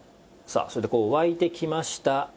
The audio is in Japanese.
さあそれで沸いてきました。